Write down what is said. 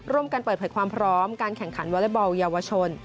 ร่วมกันเปิดแผดความพร้อมการแข่งขันเวอร์เลอร์บอลเยาวชน